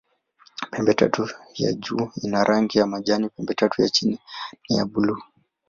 Pembetatu ya juu ina rangi ya majani, pembetatu ya chini ni ya buluu.